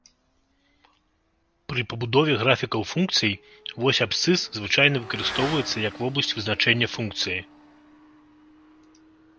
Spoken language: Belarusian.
Пры пабудове графікаў функцый, вось абсцыс звычайна выкарыстоўваецца як вобласць вызначэння функцыі.